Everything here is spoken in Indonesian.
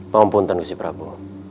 pangapunten gusti prabu